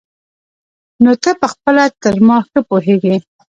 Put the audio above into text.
نو ته پخپله تر ما ښه پوهېږي.